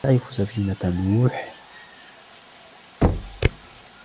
هل تعرف سفينة نوح؟